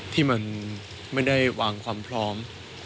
ที่มันไม่ได้วางความพร้อม